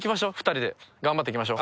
頑張っていきましょう。